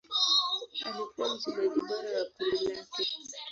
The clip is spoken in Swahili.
Alikuwa mchungaji bora wa kundi lake.